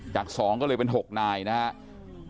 จาก๒ก็เลยเป็น๖นายนะครับ